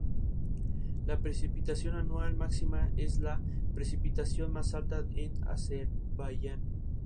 La precipitación anual máxima es la precipitación más alta en Azerbaiyán.